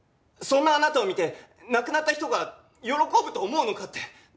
そんなあなたを見て亡くなった人が喜ぶと思うのかって。